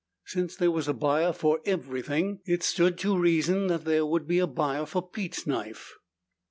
Since there was a buyer for everything, it stood to reason that there would be a buyer for Pete's knife.